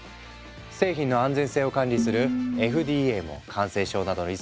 製品の安全性を管理するＦＤＡも感染症などのリスクを考え